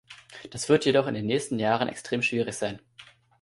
Das wird jedoch in den nächsten Jahren extrem schwierig sein.